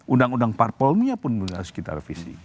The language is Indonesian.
undang undang parpolnya pun harus kita revisi